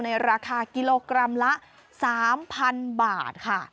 ราคากิโลกรัมละ๓๐๐๐บาทค่ะ